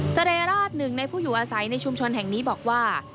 เรราชหนึ่งในผู้อยู่อาศัยในชุมชนแห่งนี้บอกว่า